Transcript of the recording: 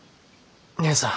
義姉さん。